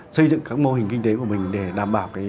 xây dựng các mô hình kinh tế của mình để đảm bảo